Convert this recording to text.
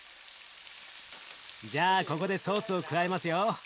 じゃあここでソースを加えますよ。